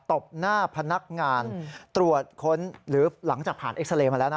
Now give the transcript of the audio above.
ตบหน้าพนักงานตรวจค้นหรือหลังจากผ่านเอ็กซาเรย์มาแล้วนะ